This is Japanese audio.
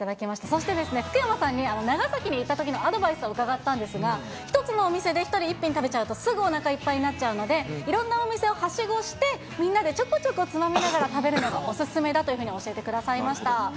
そして、福山さんに長崎にいたときにアドバイスを伺ったんですが、１つのお店で１人１品食べちゃうとすぐおなかいっぱいになっちゃうので、いろんなお店をはしごして、みんなでちょこちょこつまみながら食べるのがお勧めだというふうに教えてくださいました。